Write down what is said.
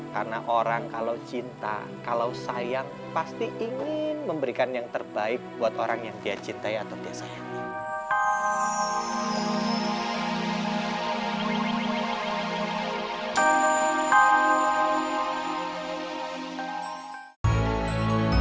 karena orang kalau cinta kalau sayang pasti ingin memberikan yang terbaik buat orang yang dia cintai atau dia sayangi